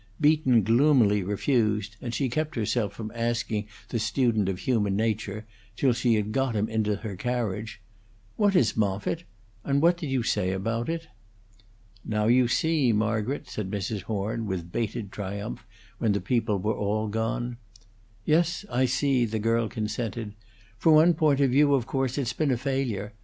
Beaton gloomily refused, and she kept herself from asking the student of human nature, till she had got him into her carriage, "What is Moffitt, and what did you say about it?" "Now you see, Margaret," said Mrs. Horn, with bated triumph, when the people were all gone. "Yes, I see," the girl consented. "From one point of view, of course it's been a failure.